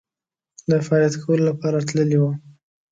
د فعالیت کولو لپاره تللي وو.